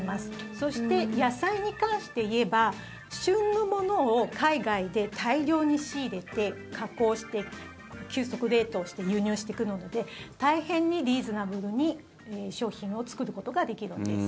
そして、野菜に関していえば旬のものを海外で大量に仕入れて加工して、急速冷凍して輸入してくるので大変にリーズナブルに商品を作ることができるんです。